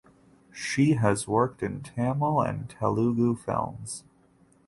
She has worked in Tamil and Telugu films.